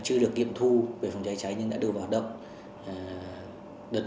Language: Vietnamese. chưa được kiểm thu về phòng cháy chữa cháy nhưng đã đưa vào hoạt động